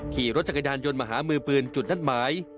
ขี่รถจักรยานยนต์มาหามือปืนจุดนัดหมาย